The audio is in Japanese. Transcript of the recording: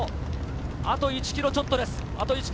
あと１ｋｍちょっとです。